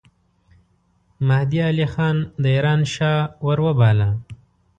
مهدي علي خان د ایران شاه وروباله.